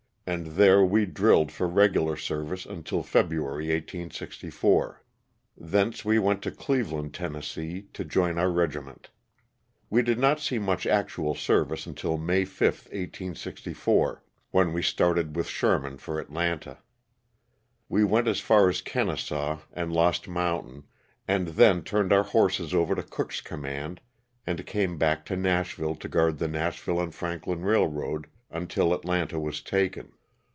and there we drilled for regular service until February, 1864. Thence we went to Cleveland, Tenn., to join our regiment. We did not see much actual service until May 5, 1864, when we started with Sherman for Atlanta. We went as far as Kenesaw and Lost Moun tain and then turned our horses over to Cook's com mand and came back to Nashville to guard the Nash ville & Franklin Railroad until Atlanta was taken.